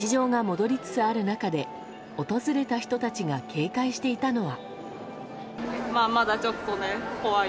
ただ、日常が戻りつつある中で訪れた人たちが警戒していたのは。